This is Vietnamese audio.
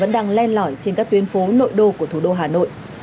đang len lỏi trên các tuyến phố nội đô của thủ đô hà nội